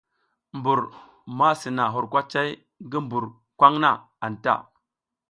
Mbur ma sina hur kwacay ngi mbur kwaŋ na anta.